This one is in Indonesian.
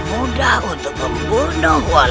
mudah untuk membunuh walang susan